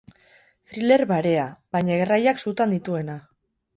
Thriller barea, baina erraiak sutan dituena.